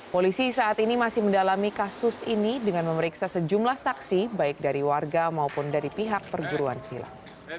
polisi saat ini masih mendalami kasus ini dengan memeriksa sejumlah saksi baik dari warga maupun dari pihak perguruan silang